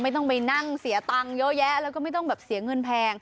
ไม่ต้องไปนั่งเสียตังค์เยอะแยะแล้วก็ไม่ต้องแบบเสียเงินแพง